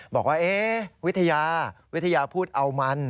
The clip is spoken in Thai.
บอกว่าวิทยาวิทยาพูดเอามัน